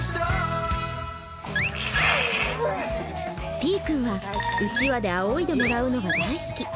ぴぃくんはうちわであおいでもらうのが大好き。